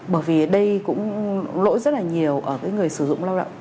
bởi vì đây cũng lỗi rất là nhiều ở cái người sử dụng lao động